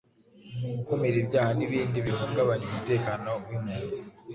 gukumira ibyaha n’ibindi bihungabanya umutekano w’mpunzi,